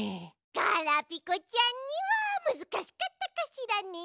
ガラピコちゃんにはむずかしかったかしらね？